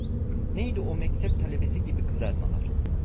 Neydi o mektep talebesi gibi kızarmalar.